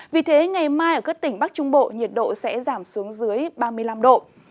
vì thế ngày mai ở các tỉnh bắc trung bộ nhiệt độ sẽ giảm xuống dưới ba mươi năm độ